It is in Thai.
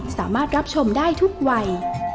สามารถรับชมได้ทุกวัย